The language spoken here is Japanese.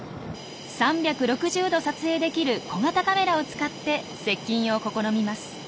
３６０度撮影できる小型カメラを使って接近を試みます。